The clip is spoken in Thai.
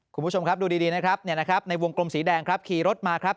คุณผู้ชมครับดูดีนะครับในวงกลมสีแดงครับขี่รถมาครับ